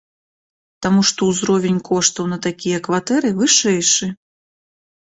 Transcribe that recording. Таму што ўзровень коштаў на такія кватэры вышэйшы.